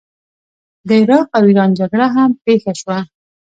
د عراق او ایران جګړه هم پیښه شوه.